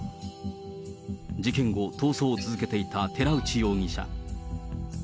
事件後、逃走を続けていた寺内容疑者。